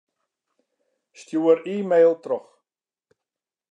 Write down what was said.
Stjoer e-mail troch.